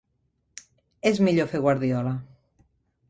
És millor fer guardiola.